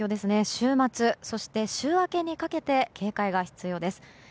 週末、そして週明けにかけて警戒が必要です。